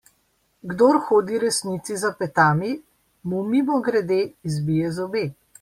Kdor hodi resnici za petami, mu mimogrede izbije zobe.